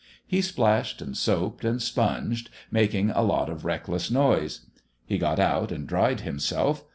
He splashed and soaped and sponged, making a lot of reckless noise. He got out and dried himself.